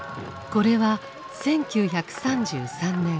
これは１９３３年